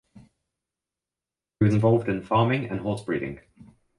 He was involved in farming and horse breeding.